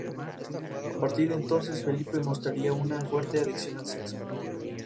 A partir de entonces Felipe mostraría una fuerte adicción al sexo.